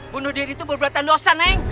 bunuh diri itu ber toi dosa neng